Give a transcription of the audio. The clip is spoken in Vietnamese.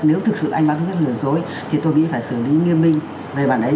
nếu thực sự anh mang tính chất lừa dối thì tôi nghĩ phải xử lý nghiêm minh về bản đấy